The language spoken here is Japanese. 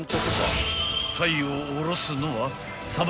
［タイをおろすのは］